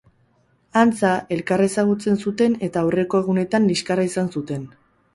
Antza, elkar ezagutzen zuten eta aurreko egunetan liskarra izan zuten.